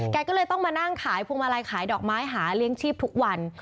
แกก็เลยต้องมานั่งขายพวงมาลัยขายดอกไม้หาเลี้ยงชีพทุกวัน